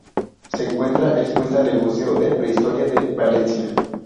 Se encuentra expuesta en el Museo de Prehistoria de Valencia.